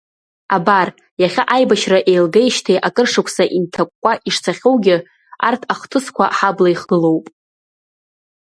Абар, иахьа аибашьра еилгеижьҭеи акыр шықәса инҭакәкәа ишцахьоугьы, арҭ ахҭысқәа ҳабла ихгылоуп.